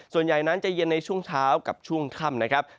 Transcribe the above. ส่วนใหญ่นั้นจะเย็นในช่วงเช้ากับช่วงค่ำนะครับ